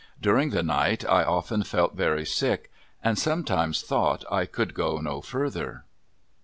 During the night I often felt very sick, and sometimes thought I could go no further.